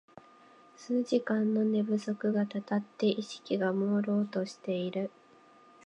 数日間の寝不足がたたって意識がもうろうとしている